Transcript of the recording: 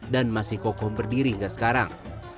dan masih kokoh berdiri hingga sekarang